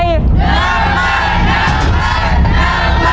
เยอะแม่